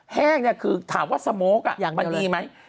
แห้งคือถามว่าสโมกมันดีไหม